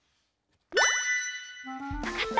わかった？